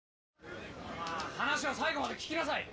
話は最後まで聞きなさい！